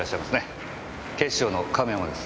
警視庁の亀山です。